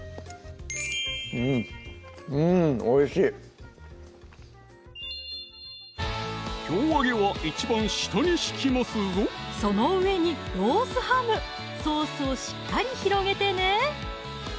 うんうんおいしい京揚げは一番下に敷きますぞその上にロースハムソースをしっかり広げてね